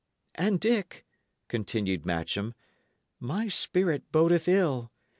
"And, Dick," continued Matcham, "my spirit bodeth ill.